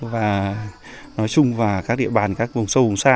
và nói chung và các địa bàn các vùng sâu vùng xa